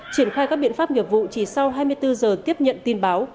triển khai các biện pháp nghiệp vụ chỉ sau hai mươi bốn giờ tiếp nhận tin báo